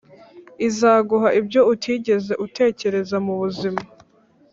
Izaguha ibyo utigeze utekereza mubuzima